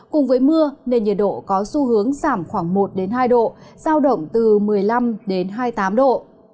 cùng với mưa nền nhiệt độ có xu hướng giảm khoảng một hai độ giao động từ một mươi năm đến hai mươi tám độ